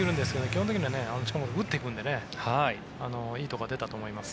基本的には近本君打っていくのでいいところが出たと思います。